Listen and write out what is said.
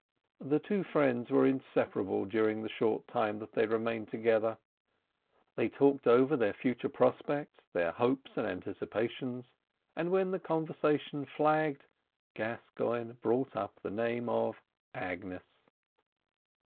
The two friends were inseparable during the short time that they remained together. They talked over their future prospects, their hopes and anticipations, and when the conversation flagged, Gascoigne brought up the name of Agnes.